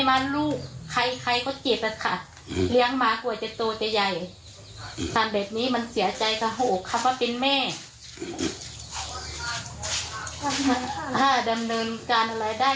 ดำเนินการอะไรได้ก็ขอให้ท่านนักข่าวรู้สึงมวลทั้งหมด